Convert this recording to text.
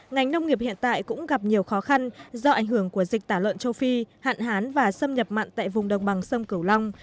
ngành nông nghiệp hiện tại cũng gặp nhiều khó khăn do ảnh hưởng của dịch tả lợn châu phi hạn hán và xâm nhập mặn tại vùng đồng bằng sông cửu long